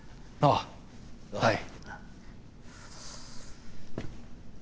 ああはい。